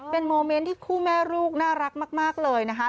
เป็นโมเมนต์ที่คู่แม่ลูกน่ารักมากเลยนะคะ